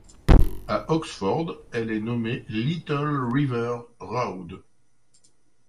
À Oxford, elle est nommée Little River Rd.